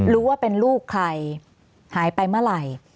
รู้ว่าเป็นลูกใครหายไปเมื่อไหร่